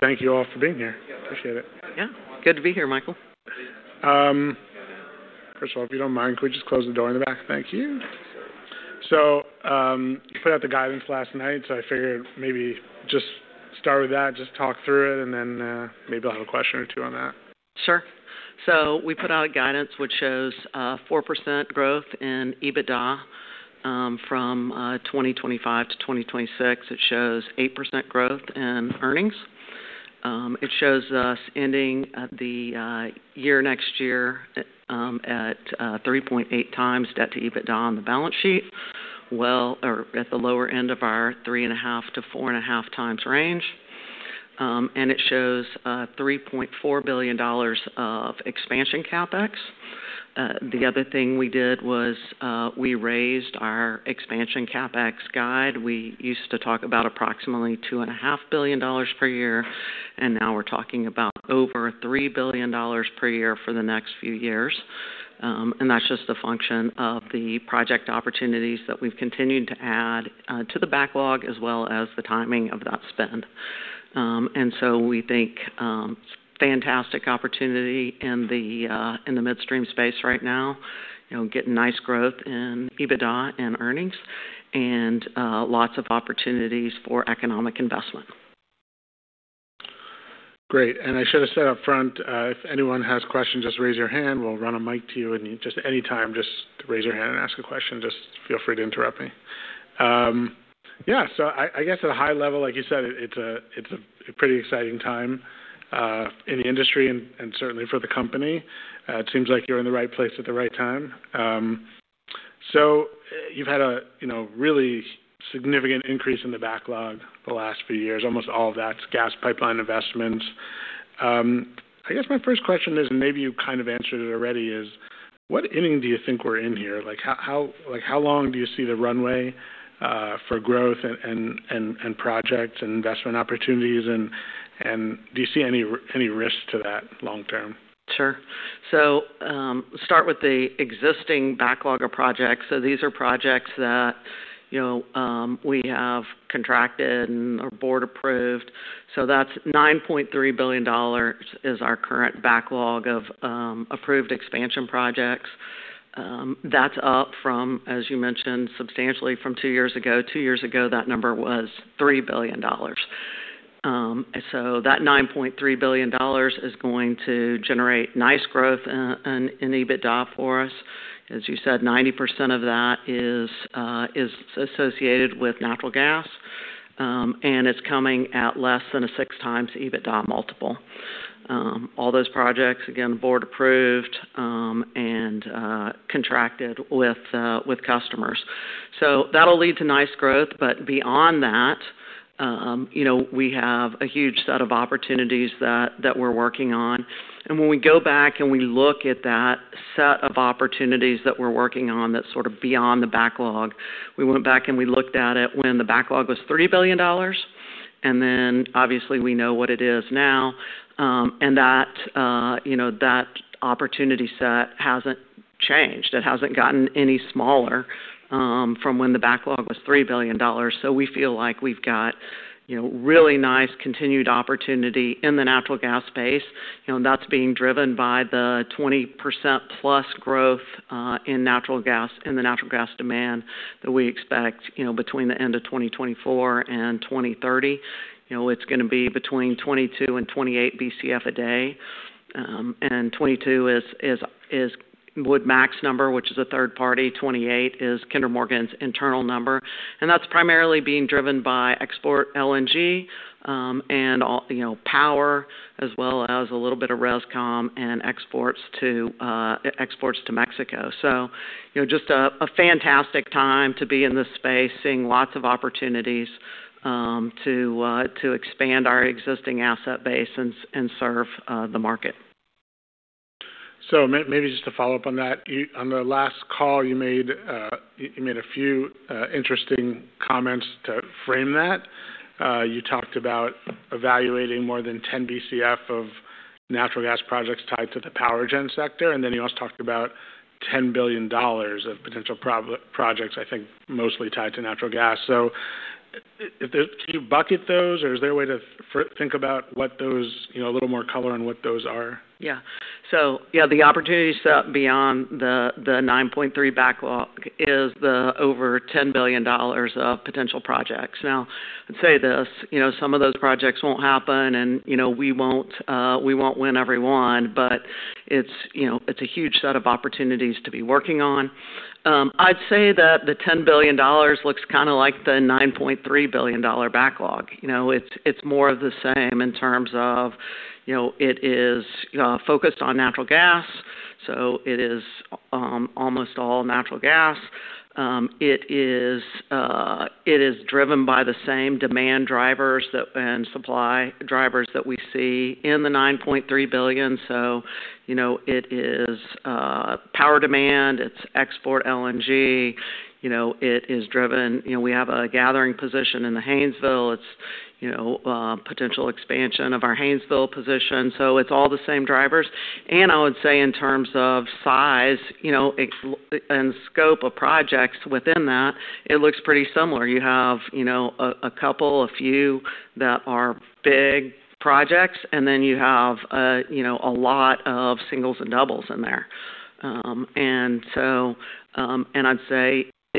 Thank you all for being here. Appreciate it. Yeah. Good to be here, Michael. First of all, if you don't mind, could we just close the door in the back? Thank you. So, you put out the guidance last night, so I figured maybe just start with that, just talk through it, and then, maybe I'll have a question or two on that. Sure. So we put out a guidance which shows 4% growth in EBITDA from 2025 to 2026. It shows 8% growth in earnings. It shows us ending the year next year at 3.8 times debt to EBITDA on the balance sheet, well, or at the lower end of our three and a half to four and a half times range. It shows $3.4 billion of expansion CapEx. The other thing we did was we raised our expansion CapEx guide. We used to talk about approximately $2.5 billion per year, and now we're talking about over $3 billion per year for the next few years. That's just a function of the project opportunities that we've continued to add to the backlog as well as the timing of that spend. And so we think it's a fantastic opportunity in the midstream space right now, you know, getting nice growth in EBITDA and earnings and lots of opportunities for economic investment. Great. And I should have said upfront, if anyone has questions, just raise your hand. We'll run a mic to you and you just, anytime, just raise your hand and ask a question. Just feel free to interrupt me. Yeah. I guess at a high level, like you said, it's a pretty exciting time in the industry and certainly for the company. It seems like you're in the right place at the right time. You've had a, you know, really significant increase in the backlog the last few years, almost all of that's gas pipeline investments. I guess my first question is, and maybe you kind of answered it already, is what inning do you think we're in here? Like, how long do you see the runway for growth and projects and investment opportunities? Do you see any risks to that long term? Sure. So, start with the existing backlog of projects. So these are projects that, you know, we have contracted and are board approved. So that's $9.3 billion, which is our current backlog of approved expansion projects. That's up from, as you mentioned, substantially from two years ago. Two years ago, that number was $3 billion, and so that $9.3 billion is going to generate nice growth in EBITDA for us. As you said, 90% of that is associated with natural gas, and it's coming at less than a six times EBITDA multiple. All those projects, again, board approved, and contracted with customers. So that'll lead to nice growth. But beyond that, you know, we have a huge set of opportunities that we're working on. When we go back and we look at that set of opportunities that we're working on that's sort of beyond the backlog, we went back and we looked at it when the backlog was $3 billion. And then obviously we know what it is now. And that, you know, that opportunity set hasn't changed. It hasn't gotten any smaller, from when the backlog was $3 billion. So we feel like we've got, you know, really nice continued opportunity in the natural gas space. You know, and that's being driven by the 20% plus growth, in natural gas, in the natural gas demand that we expect, you know, between the end of 2024 and 2030. You know, it's gonna be between 22 and 28 Bcf a day. And 22 is Woodmac's number, which is a third party. 28 is Kinder Morgan's internal number. And that's primarily being driven by export LNG, and all, you know, power, as well as a little bit of ResCom and exports to, exports to Mexico. So, you know, just a fantastic time to be in this space, seeing lots of opportunities to expand our existing asset base and serve the market. So, maybe just to follow up on that, on the last call you made, you made a few interesting comments to frame that. You talked about evaluating more than 10 Bcf of natural gas projects tied to the power gen sector. And then you also talked about $10 billion of potential projects, I think mostly tied to natural gas. So, can you bucket those, or is there a way to think about what those, you know, a little more color on what those are? Yeah. So, yeah, the opportunity set beyond the 9.3 backlog is the over $10 billion of potential projects. Now, I'd say this, you know, some of those projects won't happen and, you know, we won't win every one, but it's, you know, it's a huge set of opportunities to be working on. I'd say that the $10 billion looks kind of like the $9.3 billion backlog. You know, it's more of the same in terms of, you know, it is focused on natural gas. So it is almost all natural gas. It is driven by the same demand drivers that, and supply drivers that we see in the 9.3 billion. So, you know, it is power demand, it's export LNG, you know, it is driven, you know, we have a gathering position in the Haynesville. It's, you know, potential expansion of our Haynesville position. So it's all the same drivers, and I would say in terms of size, you know, and scope of projects within that, it looks pretty similar. You have, you know, a couple, a few that are big projects, and then you have, you know, a lot of singles and doubles in there,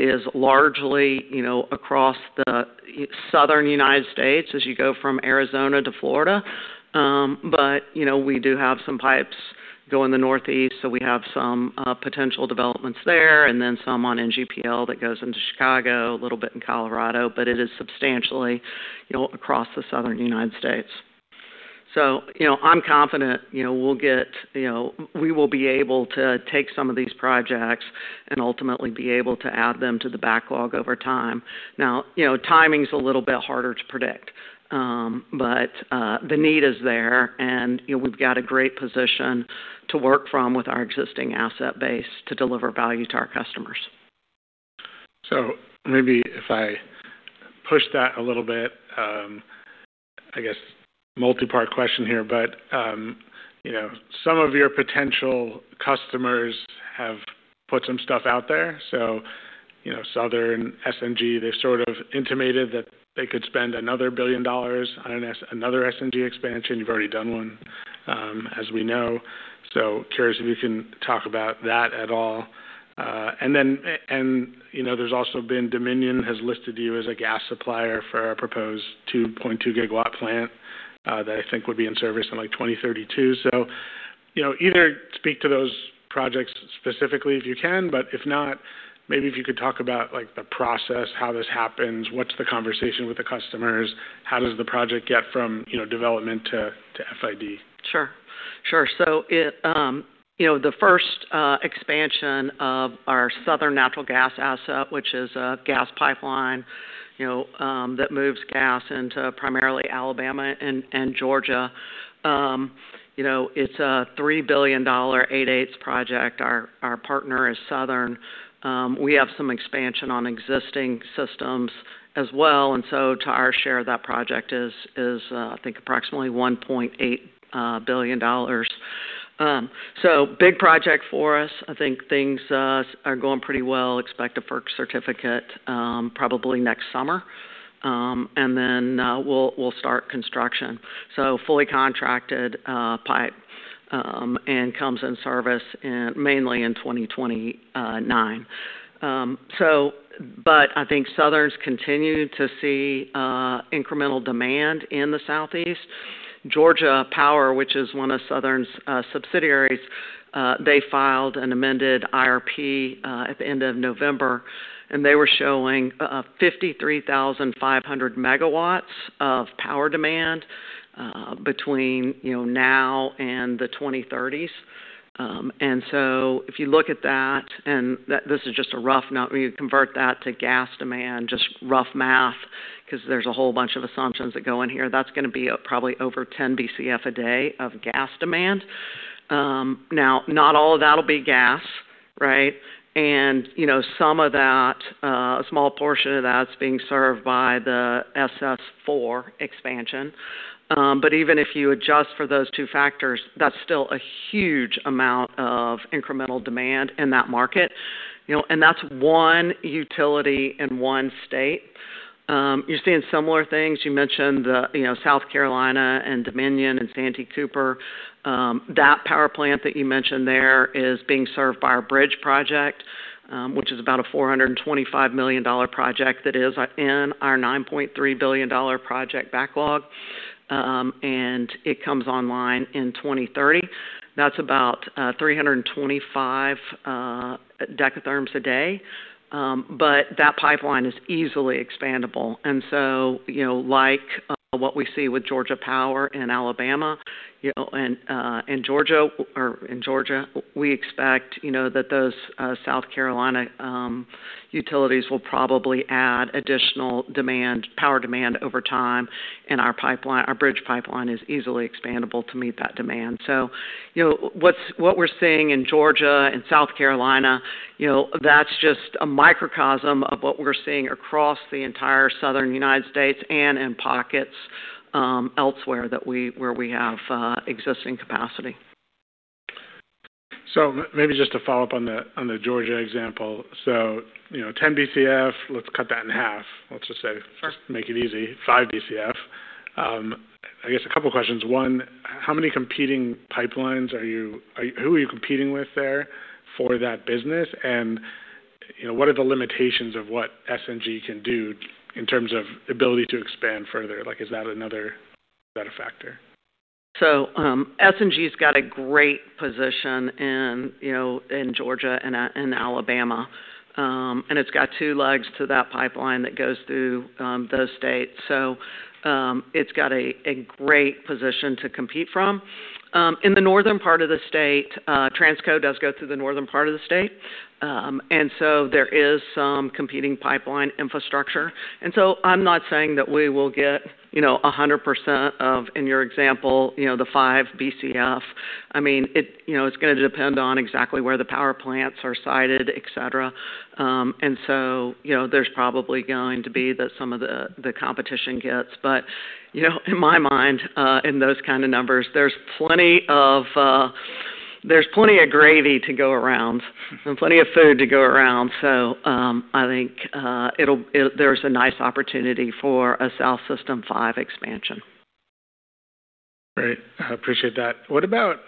and so I'd say it's largely, you know, across the Southern United States as you go from Arizona to Florida, but you know, we do have some pipes going to the Northeast, so we have some potential developments there and then some on NGPL that goes into Chicago, a little bit in Colorado, but it is substantially, you know, across the Southern United States, so you know, I'm confident, you know, we'll get, you know, we will be able to take some of these projects and ultimately be able to add them to the backlog over time. Now, you know, timing's a little bit harder to predict. But the need is there and, you know, we've got a great position to work from with our existing asset base to deliver value to our customers. So maybe if I push that a little bit, I guess multi-part question here, but, you know, some of your potential customers have put some stuff out there. So, you know, Southern SNG, they've sort of intimated that they could spend another $1 billion on an S, another SNG expansion. You've already done one, as we know. So curious if you can talk about that at all. And then, you know, there's also been Dominion has listed you as a gas supplier for a proposed 2.2 gigawatt plant, that I think would be in service in like 2032. So, you know, either speak to those projects specifically if you can, but if not, maybe if you could talk about like the process, how this happens, what's the conversation with the customers, how does the project get from, you know, development to FID? Sure. So it, you know, the first expansion of our Southern Natural Gas asset, which is a gas pipeline, you know, that moves gas into primarily Alabama and Georgia. You know, it's a $3 billion [SS4] project. Our partner is Southern. We have some expansion on existing systems as well. And so to our share, that project is, I think approximately $1.8 billion. So big project for us. I think things are going pretty well. Expect a FERC certificate, probably next summer. And then we'll start construction. So fully contracted, pipe, and comes in service mainly in 2029. So but I think Southern's continued to see incremental demand in the southeast. Georgia Power, which is one of Southern's subsidiaries, they filed an amended IRP at the end of November, and they were showing 53,500 megawatts of power demand between, you know, now and the 2030s. And so if you look at that, and that this is just a rough, not when you convert that to gas demand, just rough math, 'cause there's a whole bunch of assumptions that go in here. That's gonna be probably over 10 Bcf a day of gas demand. Now, not all of that'll be gas, right? And, you know, some of that, a small portion of that's being served by the SS4 expansion. But even if you adjust for those two factors, that's still a huge amount of incremental demand in that market, you know, and that's one utility in one state. You're seeing similar things. You mentioned the, you know, South Carolina and Dominion and Santee Cooper. That power plant that you mentioned there is being served by our Bridge Project, which is about a $425 million project that is in our $9.3 billion project backlog, and it comes online in 2030. That's about 325 dekatherms a day, but that pipeline is easily expandable. So, you know, like, what we see with Georgia Power in Alabama, you know, and in Georgia or in Georgia, we expect, you know, that those South Carolina utilities will probably add additional demand, power demand over time in our pipeline. Our Bridge pipeline is easily expandable to meet that demand. So, you know, what's what we're seeing in Georgia and South Carolina, you know, that's just a microcosm of what we're seeing across the entire Southern United States and in pockets elsewhere that we where we have existing capacity. So maybe just to follow up on the Georgia example. You know, 10 Bcf, let's cut that in half. Let's just say, just make it easy, five Bcf. I guess a couple questions. One, how many competing pipelines are you competing with there for that business? And, you know, what are the limitations of what SNG can do in terms of ability to expand further? Like, is that a factor? SNG's got a great position in, you know, in Georgia and in Alabama, and it's got two legs to that pipeline that goes through those states. It's got a great position to compete from. In the northern part of the state, Transco does go through the northern part of the state, and so there is some competing pipeline infrastructure. I'm not saying that we will get, you know, 100% of, in your example, you know, the five Bcf. I mean, it, you know, it's gonna depend on exactly where the power plants are sited, et cetera, and so, you know, there's probably going to be that some of the competition gets, but, you know, in my mind, in those kind of numbers, there's plenty of, there's plenty of gravy to go around and plenty of food to go around. So, I think there's a nice opportunity for a South System 5 expansion. Great. I appreciate that. What about,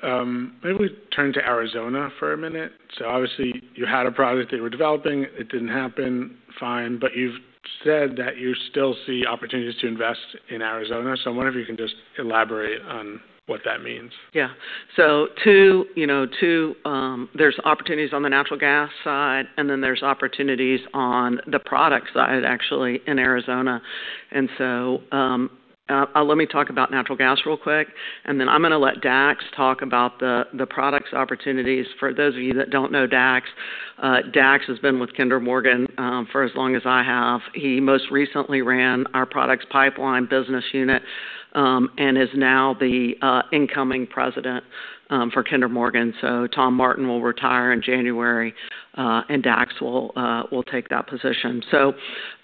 maybe we turn to Arizona for a minute. So obviously you had a project that you were developing, it didn't happen. Fine. But you've said that you still see opportunities to invest in Arizona. So I wonder if you can just elaborate on what that means? Yeah. So too, you know, too, there's opportunities on the natural gas side and then there's opportunities on the product side actually in Arizona. So let me talk about natural gas real quick, and then I'm gonna let Dax talk about the product opportunities. For those of you that don't know Dax, Dax has been with Kinder Morgan for as long as I have. He most recently ran our product pipeline business unit, and is now the incoming President for Kinder Morgan. Tom Martin will retire in January, and Dax will take that position.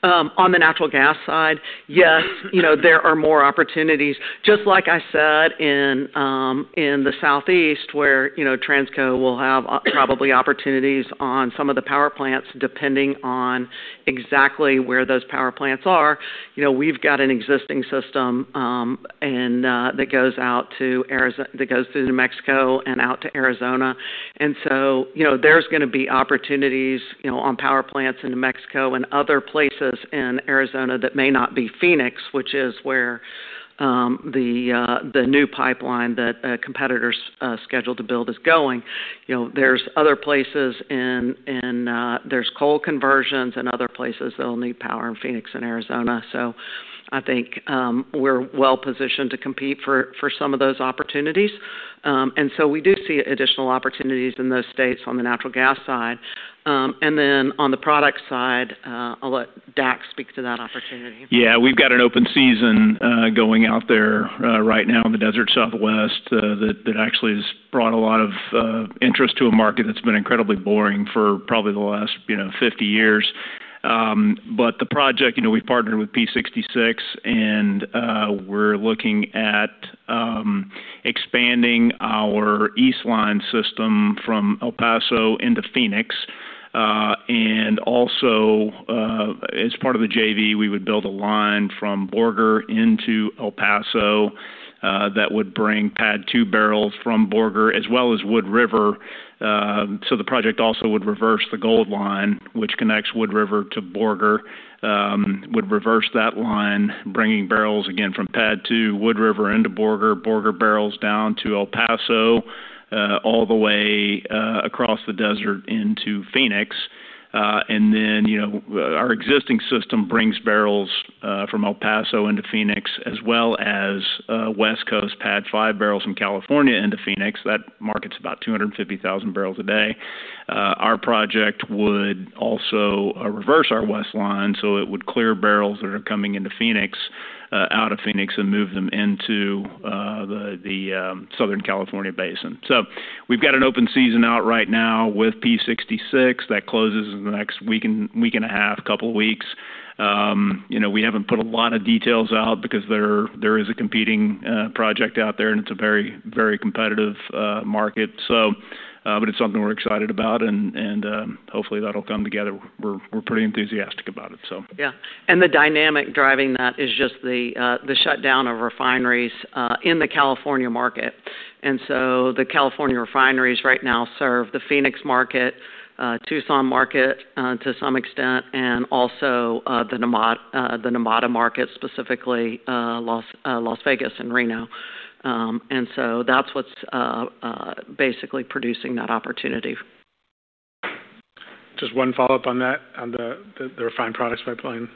On the natural gas side, yes, you know, there are more opportunities, just like I said in the southeast where, you know, Transco will have probably opportunities on some of the power plants depending on exactly where those power plants are. You know, we've got an existing system, and that goes out to Arizona, that goes through New Mexico and out to Arizona. And so, you know, there's gonna be opportunities, you know, on power plants in New Mexico and other places in Arizona that may not be Phoenix, which is where the new pipeline that competitors scheduled to build is going. You know, there's other places in there's coal conversions and other places that'll need power in Phoenix and Arizona. So I think we're well positioned to compete for some of those opportunities. And so we do see additional opportunities in those states on the natural gas side. And then on the product side, I'll let Dax speak to that opportunity. Yeah. We've got an open season going out there right now in the desert southwest that actually has brought a lot of interest to a market that's been incredibly boring for probably the last, you know, 50 years. But the project, you know, we've partnered with P66 and we're looking at expanding our East Line system from El Paso into Phoenix. And also, as part of the JV, we would build a line from Borger into El Paso that would bring PADD 2 barrels from Borger as well as Wood River. So the project also would reverse the Gold Line, which connects Wood River to Borger, would reverse that line, bringing barrels again from PADD 2, Wood River into Borger, Borger barrels down to El Paso, all the way across the desert into Phoenix. Then, you know, our existing system brings barrels from El Paso into Phoenix as well as West Coast PADD 5 barrels from California into Phoenix. That market's about 250,000 barrels a day. Our project would also reverse our West Line. So it would clear barrels that are coming into Phoenix out of Phoenix and move them into the southern California basin. So we've got an open season out right now with P66 that closes in the next week and a half, couple weeks. You know, we haven't put a lot of details out because there is a competing project out there and it's a very, very competitive market. So, but it's something we're excited about and hopefully that'll come together. We're pretty enthusiastic about it. So. Yeah. The dynamic driving that is just the shutdown of refineries in the California market. So the California refineries right now serve the Phoenix market, Tucson market, to some extent, and also the Nevada market specifically, Las Vegas and Reno. So that's what's basically producing that opportunity. Just one follow-up on that, on the refined products pipeline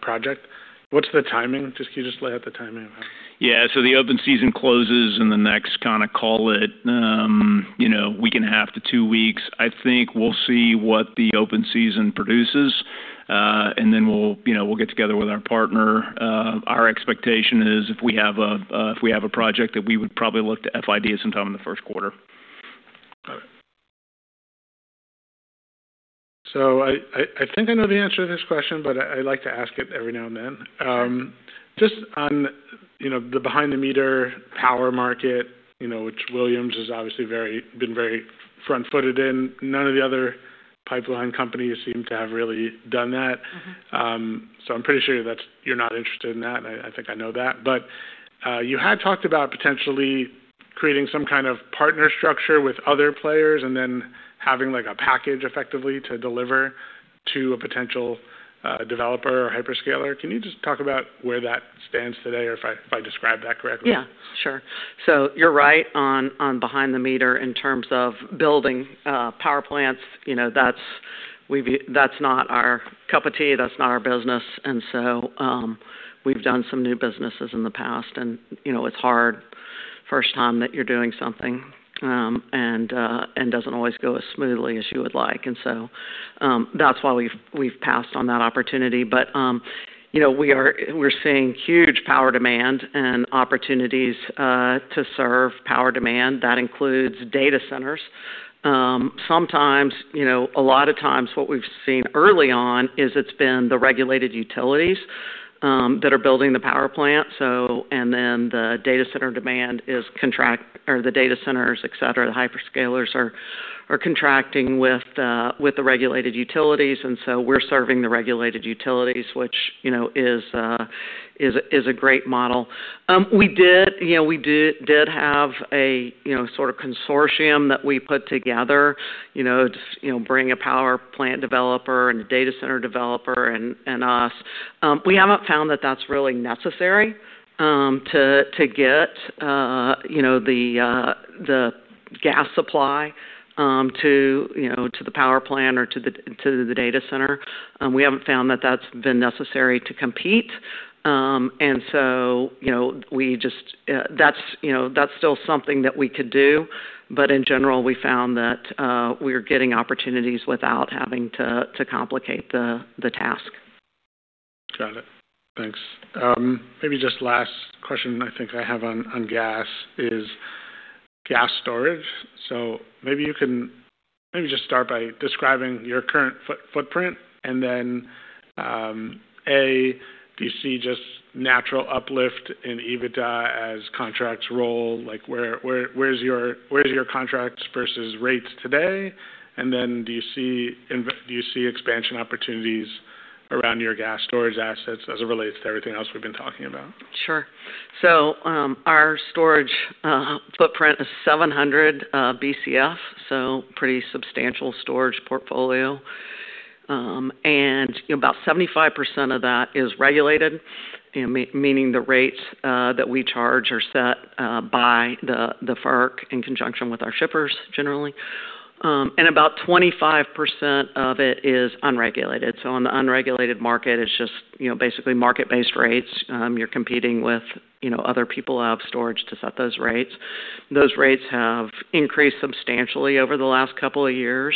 project. What's the timing? Just, can you just lay out the timing of how? Yeah. So the open season closes in the next kind of call it, you know, week and a half to two weeks. I think we'll see what the open season produces, and then we'll, you know, we'll get together with our partner. Our expectation is if we have a, if we have a project that we would probably look to FID at some time in the first quarter. Got it. I think I know the answer to this question, but I like to ask it every now and then. Just on, you know, the behind the meter power market, you know, which Williams has obviously been very front footed in. None of the other pipeline companies seem to have really done that. I'm pretty sure that's, you're not interested in that. I think I know that, but you had talked about potentially creating some kind of partner structure with other players and then having like a package effectively to deliver to a potential developer or hyperscaler. Can you just talk about where that stands today or if I describe that correctly? Yeah, sure. So you're right on behind the meter in terms of building power plants. You know, that's not our cup of tea. That's not our business. And so, we've done some new businesses in the past and, you know, it's hard first time that you're doing something, and doesn't always go as smoothly as you would like. And so, that's why we've passed on that opportunity. But, you know, we're seeing huge power demand and opportunities to serve power demand. That includes data centers. Sometimes, you know, a lot of times what we've seen early on is it's been the regulated utilities that are building the power plant. So, and then the data center demand is contract or the data centers, et cetera, the hyperscalers are contracting with the regulated utilities. So we're serving the regulated utilities, which, you know, is a great model. We did, you know, have a sort of consortium that we put together, you know, to bring a power plant developer and a data center developer and us. We haven't found that that's really necessary to get, you know, the gas supply to, you know, to the power plant or to the data center. We haven't found that that's been necessary to compete. So, you know, we just, that's, you know, that's still something that we could do. But in general, we found that we are getting opportunities without having to complicate the task. Got it. Thanks. Maybe just last question I think I have on gas is gas storage. So maybe you can just start by describing your current footprint and then, A, do you see just natural uplift in EBITDA as contracts roll? Like where's your contracts versus rates today? And then do you see expansion opportunities around your gas storage assets as it relates to everything else we've been talking about? Sure. So, our storage footprint is 700 Bcf. So pretty substantial storage portfolio. And you know, about 75% of that is regulated, you know, meaning the rates that we charge are set by the FERC in conjunction with our shippers generally. And about 25% of it is unregulated. So on the unregulated market, it's just, you know, basically market-based rates. You're competing with, you know, other people out of storage to set those rates. Those rates have increased substantially over the last couple of years.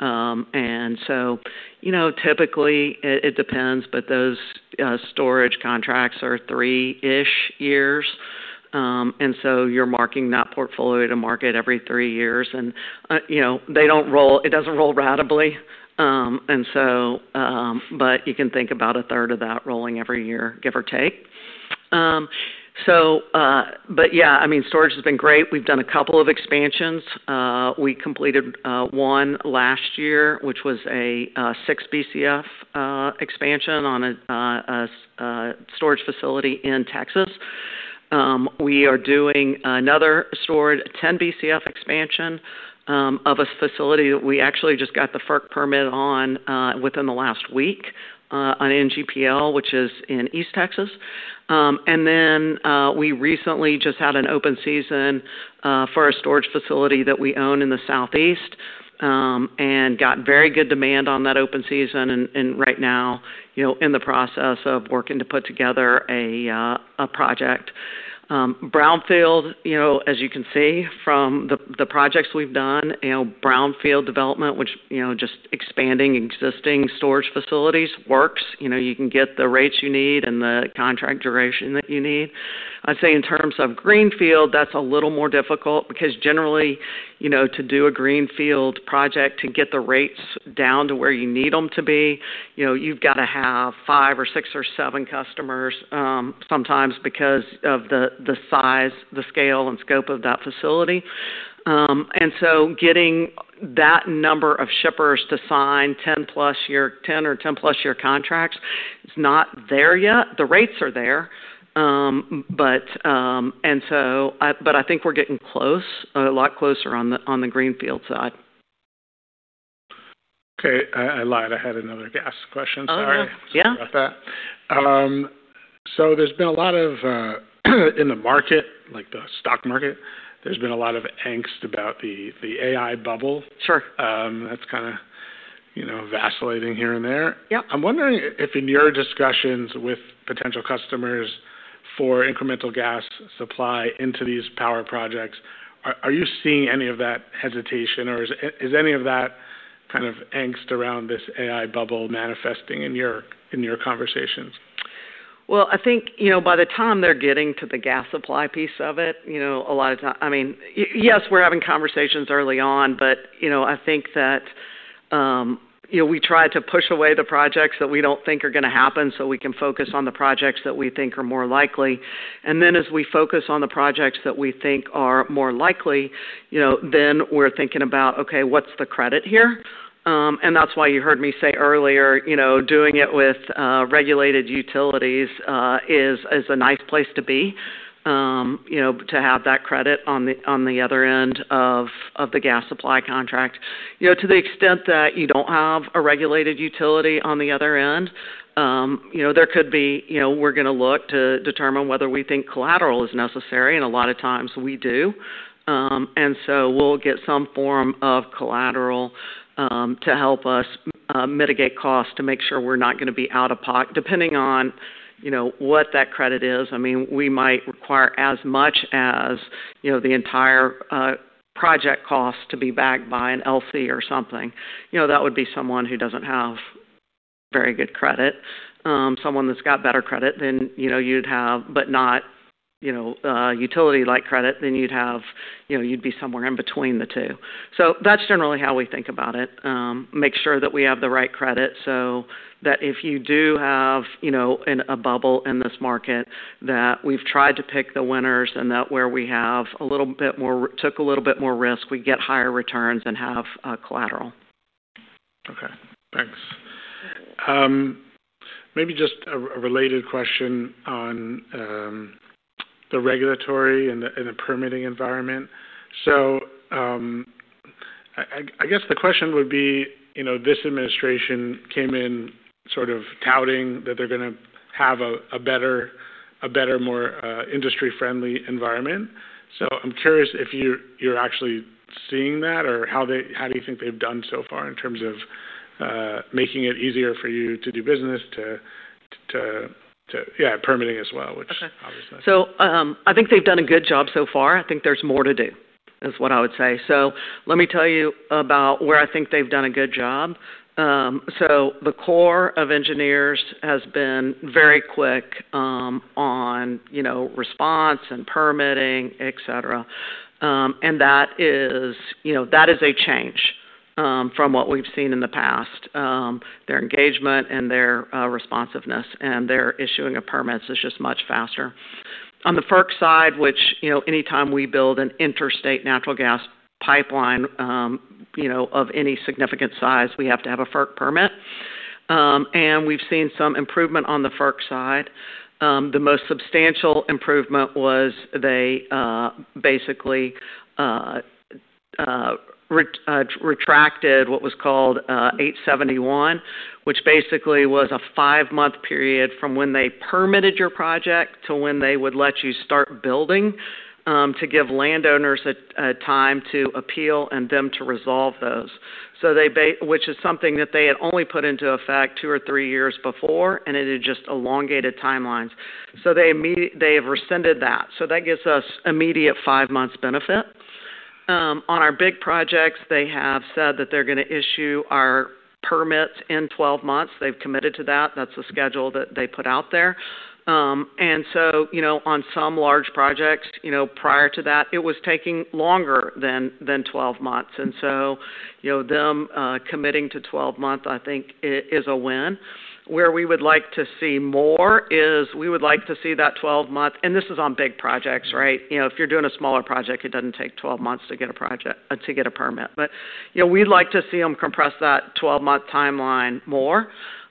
And so, you know, typically it depends, but those storage contracts are three-ish years. And so you're marking that portfolio to market every three years and, you know, they don't roll, it doesn't roll radically. And so, but you can think about a third of that rolling every year, give or take. So, but yeah, I mean, storage has been great. We've done a couple of expansions. We completed one last year, which was a six Bcf expansion on a storage facility in Texas. We are doing another storage 10 Bcf expansion of a facility that we actually just got the FERC permit on within the last week on NGPL, which is in East Texas. And then we recently just had an open season for a storage facility that we own in the southeast and got very good demand on that open season. And right now, you know, in the process of working to put together a project brownfield. You know, as you can see from the projects we've done, you know, brownfield development, which, you know, just expanding existing storage facilities works. You know, you can get the rates you need and the contract duration that you need. I'd say in terms of greenfield, that's a little more difficult because generally, you know, to do a greenfield project to get the rates down to where you need 'em to be, you know, you've gotta have five or six or seven customers, sometimes because of the size, the scale and scope of that facility, and so getting that number of shippers to sign 10 plus year, 10 or 10 plus year contracts is not there yet. The rates are there, but, and so I, but I think we're getting close, a lot closer on the greenfield side. Okay. I lied. I had another gas question. Sorry. Oh, yeah. About that, so there's been a lot of, in the market, like the stock market, there's been a lot of angst about the AI bubble. Sure. That's kind of, you know, vacillating here and there. Yep. I'm wondering if in your discussions with potential customers for incremental gas supply into these power projects, are you seeing any of that hesitation or is any of that kind of angst around this AI bubble manifesting in your conversations? I think, you know, by the time they're getting to the gas supply piece of it, you know, a lot of time, I mean, yes, we're having conversations early on, but, you know, I think that, you know, we try to push away the projects that we don't think are gonna happen so we can focus on the projects that we think are more likely, and then as we focus on the projects that we think are more likely, you know, then we're thinking about, okay, what's the credit here, and that's why you heard me say earlier, you know, doing it with regulated utilities is, is a nice place to be, you know, to have that credit on the, on the other end of, of the gas supply contract. You know, to the extent that you don't have a regulated utility on the other end, you know, there could be, you know, we're gonna look to determine whether we think collateral is necessary, and a lot of times we do, and so we'll get some form of collateral to help us mitigate costs to make sure we're not gonna be out of pocket depending on, you know, what that credit is. I mean, we might require as much as, you know, the entire project costs to be backed by an LC or something. You know, that would be someone who doesn't have very good credit. Someone that's got better credit than, you know, you'd have, but not, you know, utility-like credit than you'd have, you know, you'd be somewhere in between the two. So that's generally how we think about it. Make sure that we have the right credit so that if you do have, you know, a bubble in this market that we've tried to pick the winners and that where we have a little bit more, took a little bit more risk, we get higher returns and have a collateral. Okay. Thanks. Maybe just a related question on the regulatory and the permitting environment. So, I guess the question would be, you know, this administration came in sort of touting that they're gonna have a better, more industry-friendly environment. So I'm curious if you're actually seeing that or how do you think they've done so far in terms of making it easier for you to do business, yeah, permitting as well, which obviously. Okay. So, I think they've done a good job so far. I think there's more to do is what I would say. So let me tell you about where I think they've done a good job. So the Corps of Engineers has been very quick on, you know, response and permitting, et cetera. And that is, you know, that is a change from what we've seen in the past. Their engagement and their responsiveness and their issuing of permits is just much faster. On the FERC side, which, you know, anytime we build an interstate natural gas pipeline, you know, of any significant size, we have to have a FERC permit. And we've seen some improvement on the FERC side. The most substantial improvement was they basically retracted what was called 871, which basically was a five-month period from when they permitted your project to when they would let you start building, to give landowners a time to appeal and them to resolve those. So they basically, which is something that they had only put into effect two or three years before, and it had just elongated timelines. So they immediately have rescinded that. So that gives us immediate five months benefit on our big projects. They have said that they're gonna issue our permits in 12 months. They've committed to that. That's the schedule that they put out there, so you know, on some large projects, you know, prior to that, it was taking longer than 12 months. So you know, them committing to 12 months, I think it is a win. Where we would like to see more is we would like to see that 12 months, and this is on big projects, right? You know, if you're doing a smaller project, it doesn't take 12 months to get a project, to get a permit. But, you know, we'd like to see 'em compress that 12-month timeline more.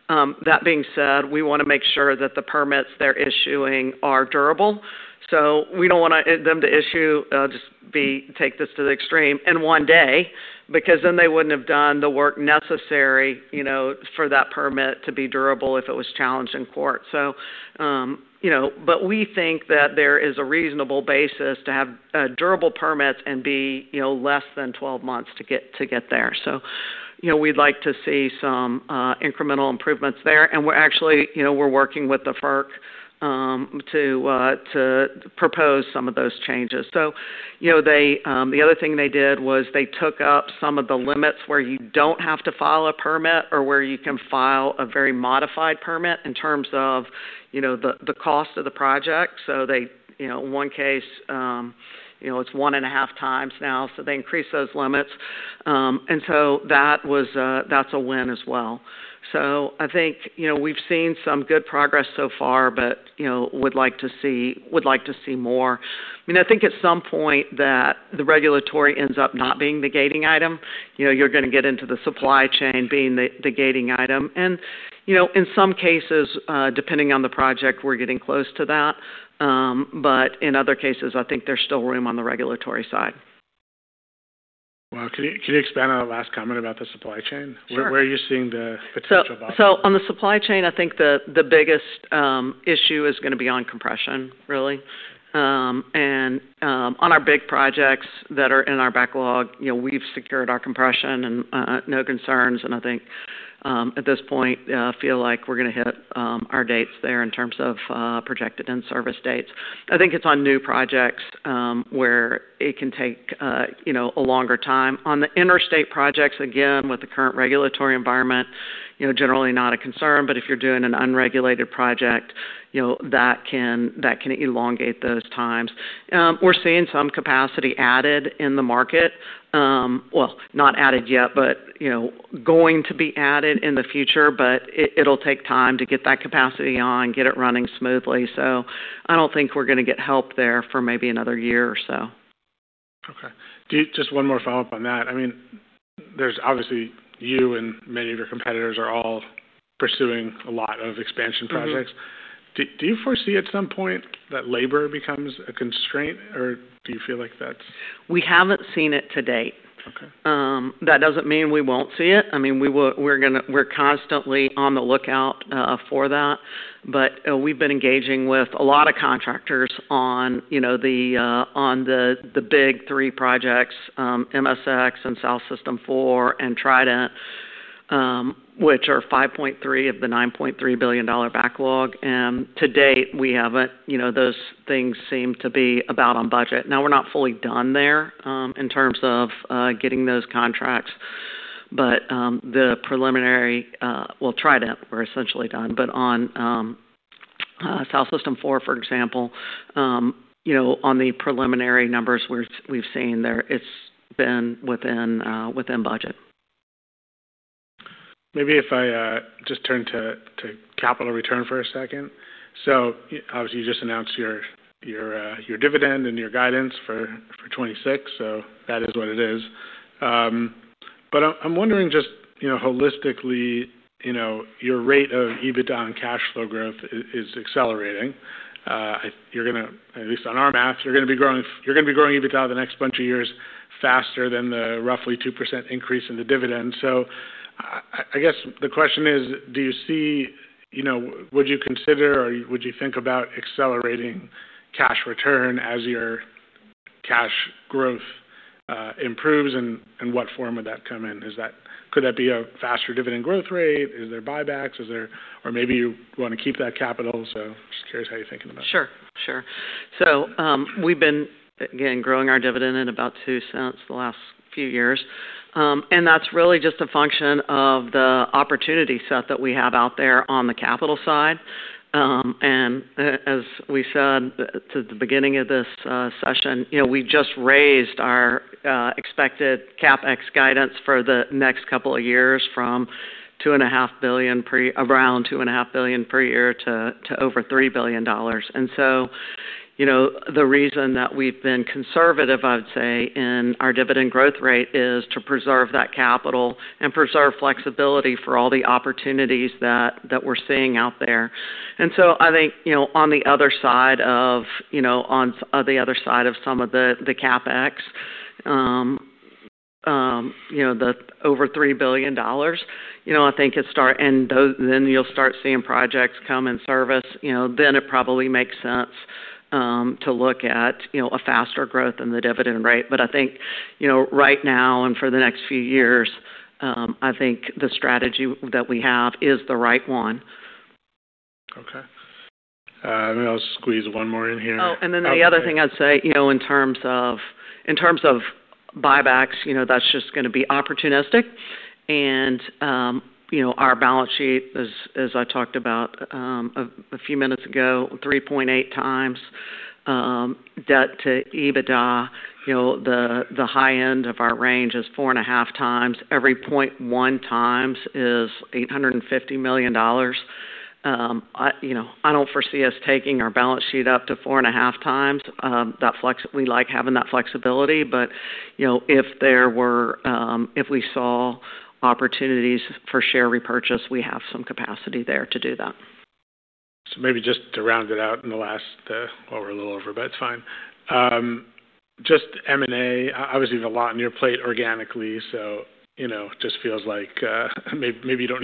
That being said, we wanna make sure that the permits they're issuing are durable. So we don't want them to issue, take this to the extreme in one day because then they wouldn't have done the work necessary, you know, for that permit to be durable if it was challenged in court. So, you know, but we think that there is a reasonable basis to have durable permits and, you know, less than 12 months to get there. So, you know, we'd like to see some incremental improvements there. And we're actually, you know, we're working with the FERC to propose some of those changes. So, you know, they, the other thing they did was they took up some of the limits where you don't have to file a permit or where you can file a very modified permit in terms of, you know, the cost of the project. So they, you know, one case, you know, it's one and a half times now. So they increased those limits, and so that was. That's a win as well. So I think, you know, we've seen some good progress so far, but, you know, would like to see more. I mean, I think at some point that the regulatory ends up not being the gating item. You know, you're gonna get into the supply chain being the gating item. And, you know, in some cases, depending on the project, we're getting close to that. But in other cases, I think there's still room on the regulatory side. Wow. Could you expand on the last comment about the supply chain? Where are you seeing the potential bottom? So on the supply chain, I think the biggest issue is gonna be on compression, really, and on our big projects that are in our backlog, you know, we've secured our compression and no concerns. And I think at this point we feel like we're gonna hit our dates there in terms of projected in-service dates. I think it's on new projects, where it can take, you know, a longer time. On the interstate projects, again, with the current regulatory environment, you know, generally not a concern, but if you're doing an unregulated project, you know, that can elongate those times. We're seeing some capacity added in the market, well not added yet, but you know going to be added in the future, but it'll take time to get that capacity on, get it running smoothly. So I don't think we're gonna get help there for maybe another year or so. Okay. Do you, just one more follow-up on that. I mean, there's obviously you and many of your competitors are all pursuing a lot of expansion projects. Do you foresee at some point that labor becomes a constraint or do you feel like that's? We haven't seen it to date. Okay. That doesn't mean we won't see it. I mean, we will, we're gonna, we're constantly on the lookout for that. But we've been engaging with a lot of contractors on, you know, the big three projects, MSX and South System 4 and Trident, which are $5.3 billion of the $9.3 billion backlog. And to date, we haven't, you know, those things seem to be about on budget. Now we're not fully done there, in terms of getting those contracts. But the preliminary, well, Trident, we're essentially done. But on South System 4, for example, you know, on the preliminary numbers we've seen there, it's been within budget. Maybe if I just turn to capital return for a second. So obviously you just announced your dividend and your guidance for 2026. So that is what it is, but I'm wondering just, you know, holistically, you know, your rate of EBITDA on cashflow growth is accelerating. You're gonna, at least on our math, be growing EBITDA the next bunch of years faster than the roughly 2% increase in the dividend. So I guess the question is, do you see, you know, would you consider or would you think about accelerating cash return as your cash growth improves and what form would that come in? Is that, could that be a faster dividend growth rate? Is there buybacks? Is there, or maybe you wanna keep that capital? So just curious how you're thinking about it. Sure. Sure. So, we've been again growing our dividend in about two cents the last few years. That's really just a function of the opportunity set that we have out there on the capital side. As we said to the beginning of this session, you know, we just raised our expected CapEx guidance for the next couple of years from around $2.5 billion per year to over $3 billion. So, you know, the reason that we've been conservative, I'd say, in our dividend growth rate is to preserve that capital and preserve flexibility for all the opportunities that we're seeing out there. So I think, you know, on the other side of some of the CapEx, you know, the over $3 billion, you know, I think it starts, and then you'll start seeing projects come into service, you know, then it probably makes sense to look at, you know, a faster growth in the dividend rate. But I think, you know, right now and for the next few years, I think the strategy that we have is the right one. Okay. Let me squeeze one more in here. Oh, and then the other thing I'd say, you know, in terms of, in terms of buybacks, you know, that's just gonna be opportunistic. And, you know, our balance sheet is, as I talked about, a few minutes ago, 3.8 times debt to EBITDA, you know, the high end of our range is four and a half times. Every 0.1 times is $850 million. I, you know, I don't foresee us taking our balance sheet up to four and a half times. That flex, we like having that flexibility. But, you know, if there were, if we saw opportunities for share repurchase, we have some capacity there to do that. So maybe just to round it out in the last, well, we're a little over, but it's fine. Just M&A, obviously there's a lot on your plate organically. You know, just feels like maybe you don't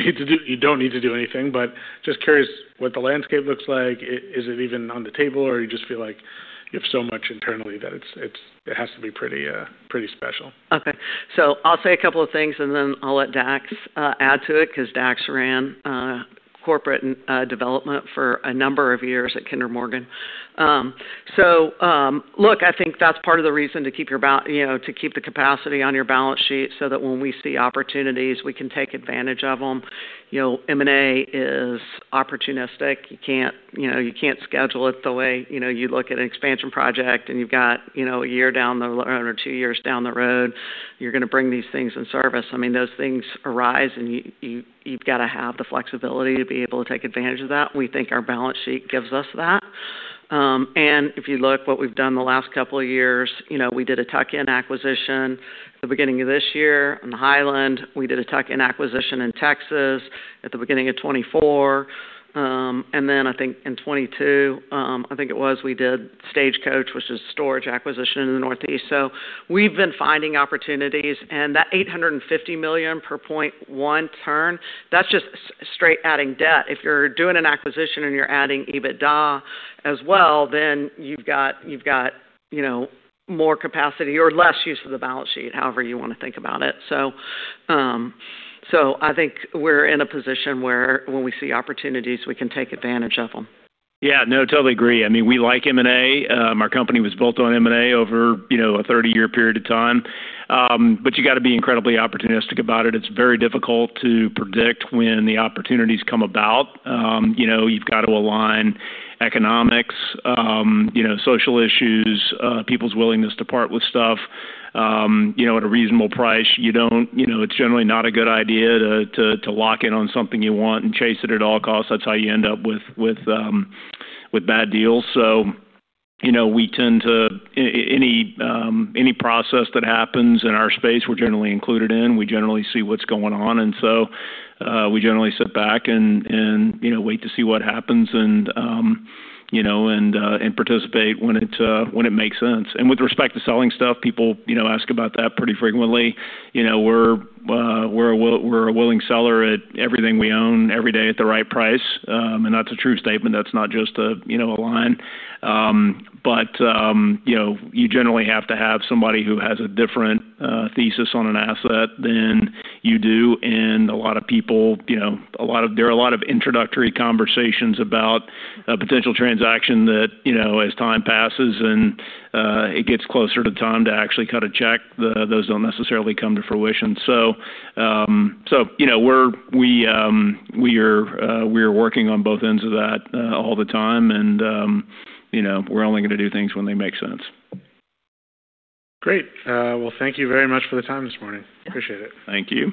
need to do anything, but just curious what the landscape looks like. Is it even on the table or you just feel like you have so much internally that it has to be pretty special. Okay. So I'll say a couple of things and then I'll let Dax add to it 'cause Dax ran corporate and development for a number of years at Kinder Morgan. So, look, I think that's part of the reason to keep your balance, you know, to keep the capacity on your balance sheet so that when we see opportunities, we can take advantage of 'em. You know, M&A is opportunistic. You can't, you know, you can't schedule it the way, you know, you look at an expansion project and you've got, you know, a year down the road or two years down the road, you're gonna bring these things in service. I mean, those things arise and you've gotta have the flexibility to be able to take advantage of that. We think our balance sheet gives us that. And if you look what we've done the last couple of years, you know, we did a tuck-in acquisition at the beginning of this year on the Hiland. We did a tuck-in acquisition in Texas at the beginning of 2024. And then I think in 2022, I think it was, we did Stagecoach, which is storage acquisition in the Northeast. So we've been finding opportunities and that $850 million per 0.1 turn, that's just straight adding debt. If you're doing an acquisition and you're adding EBITDA as well, then you've got, you've got, you know, more capacity or less use of the balance sheet, however you wanna think about it. So, so I think we're in a position where when we see opportunities, we can take advantage of 'em. Yeah. No, totally agree. I mean, we like M&A. Our company was built on M&A over, you know, a 30-year period of time, but you gotta be incredibly opportunistic about it. It's very difficult to predict when the opportunities come about. You know, you've gotta align economics, you know, social issues, people's willingness to part with stuff, you know, at a reasonable price. You don't, you know, it's generally not a good idea to lock in on something you want and chase it at all costs. That's how you end up with bad deals, so you know, we tend to any process that happens in our space, we're generally included in. We generally see what's going on. And so, we generally sit back and, you know, wait to see what happens and, you know, participate when it makes sense. With respect to selling stuff, people, you know, ask about that pretty frequently. You know, we're a willing seller at everything we own every day at the right price. And that's a true statement. That's not just a, you know, a line. But, you know, you generally have to have somebody who has a different thesis on an asset than you do. And a lot of people, you know, there are a lot of introductory conversations about a potential transaction that, you know, as time passes and it gets closer to time to actually cut a check, those don't necessarily come to fruition. So, you know, we're working on both ends of that all the time. And, you know, we're only gonna do things when they make sense. Great. Well, thank you very much for the time this morning. Appreciate it. Thank you.